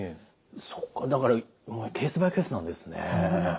そうかだからケースバイケースなんですね。